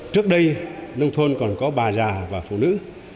trước đây nông thôn còn có bà già và phụ nữ